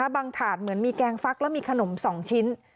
ถาดเหมือนมีแกงฟักแล้วมีขนม๒ชิ้น